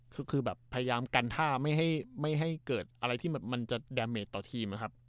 ก็คือแบบพยายามกันท่าไม่ให้ให้เกิดอะไรที่มันมันจะต่อทีมาครับ